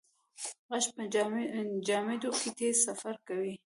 غږ په جامدو کې تېز سفر کوي.